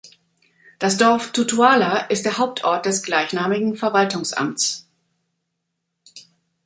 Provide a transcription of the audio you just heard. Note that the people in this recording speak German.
Das Dorf Tutuala ist der Hauptort des gleichnamigen Verwaltungsamts.